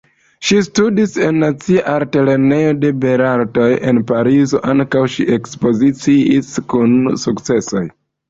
Ŝi studis en Nacia Altlernejo de Belartoj en Parizo, ankaŭ ŝi ekspoziciis kun sukcesoj.